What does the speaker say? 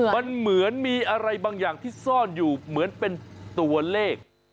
มันเหมือนมีอะไรบางอย่างที่ซ่อนอยู่เหมือนเป็นตัวเลข